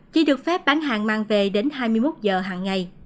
chỉ được phép bán hàng mang về đến hai mươi một giờ hàng ngày